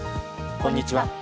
こんにちは。